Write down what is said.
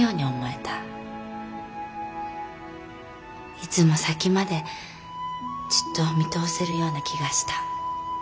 いつも先までずっと見通せるような気がした。